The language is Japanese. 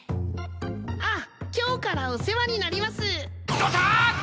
あっ今日からお世話になります。